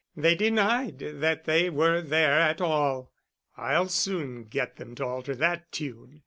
They denied that they were there at all." "I'll soon get them to alter that tune!"